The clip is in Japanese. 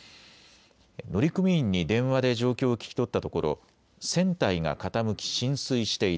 乗組員に電話で状況を聞き取ったところ、船体が傾き、浸水している。